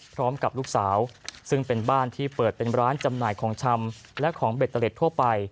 พร้อมกับลูกสาวซึ่งเป็นบ้านที่เปิดเป็นร้านจำหน่ายของชำและของเบตเตอร์เล็ดทั่วไป